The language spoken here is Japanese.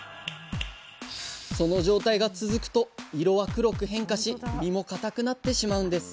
その状態が続くと色は黒く変化し身もかたくなってしまうんです。